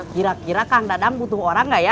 kira kira kang dadam butuh orang enggak ya